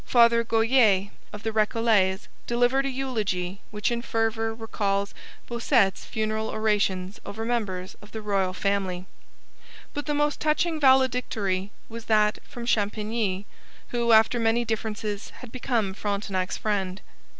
Father Goyer, of the Recollets, delivered a eulogy which in fervour recalls Bossuet's funeral orations over members of the royal family. But the most touching valedictory was that from Champigny, who after many differences had become Frontenac's friend.